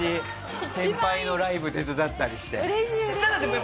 先輩のライブ手伝ったりして。